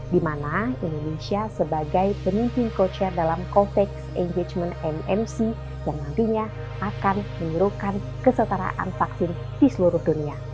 di mana indonesia sebagai penimpin kosher dalam konteks engagement mmc yang nantinya akan menirukan kesetaraan vaksin di seluruh dunia